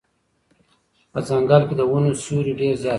په ځنګل کې د ونو سیوری ډېر زیات دی.